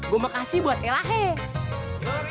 gue mau kasih buat ella hek